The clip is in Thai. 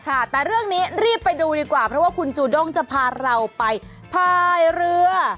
ค่ะแต่เรื่องนี้รีบไปดูดีกว่าเพราะว่าคุณจูด้งจะพาเราไปพายเรือ